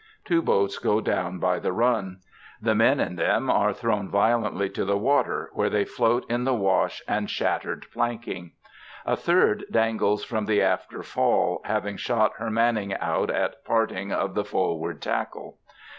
Two boats go down by the run. The men in them are thrown violently to the water, where they float in the wash and shattered planking. A third dangles from the after fall, having shot her manning out at parting of the forward tackle.